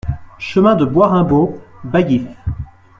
Chemin de Bois Raimbault, Baillif